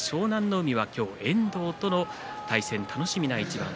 海は今日は遠藤との対戦楽しみな一番。